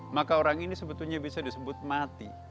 maka orang ini sebetulnya bisa disebut mati